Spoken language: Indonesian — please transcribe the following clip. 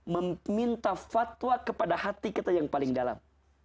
meminta fatwa kepada hati kita yang paling dalam